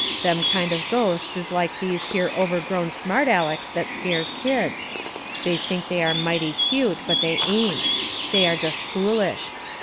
Them kind of ghosts is like these here overgrown smart alecs that scares kids. They think they are mighty cute, but they ain't. They are jest foolish.